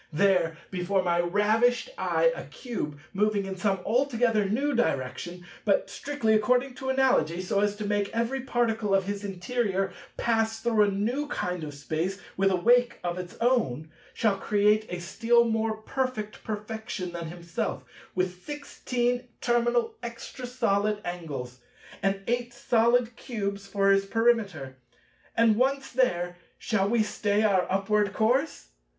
There, before my ravished eye, a Cube moving in some altogether new direction, but strictly according to Analogy, so as to make every particle of his interior pass through a new kind of Space, with a wake of its own—shall create a still more perfect perfection than himself, with sixteen terminal Extra solid angles, and Eight solid Cubes for his Perimeter. And once there, shall we stay our upward course?